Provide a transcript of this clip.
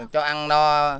cho ăn no